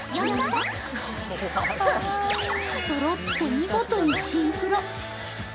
そろって見事にシンクロ。